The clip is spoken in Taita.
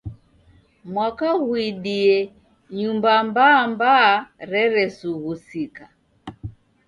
Mwaka ghuidie, Nyumba mbaa mbaa reresughusika